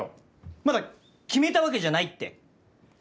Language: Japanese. まだ決めたわけじゃないって。